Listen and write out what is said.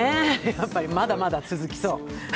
やっぱり、まだまだ続きそう。